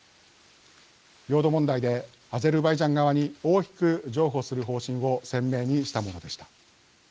領土問題でアゼルバイジャン側に大きく譲歩する方針を鮮明にしたものでした。